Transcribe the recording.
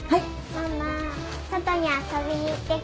ママ外に遊びに行ってきていい？